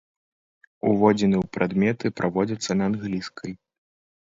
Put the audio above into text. Уводзіны ў прадметы праводзяцца на англійскай.